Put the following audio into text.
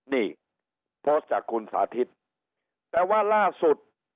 นี่โพสต์จากคุณสาธิตแต่ว่าล่าสุด